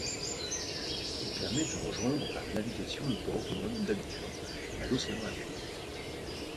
Il permet de rejoindre par la navigation, le Port autonome d'Abidjan à l'Océan Atlantique.